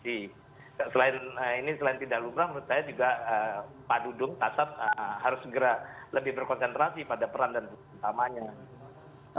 selain tidak lumrah menurut saya juga pak dudung kasat harus segera lebih berkonsentrasi pada peran dan utamanya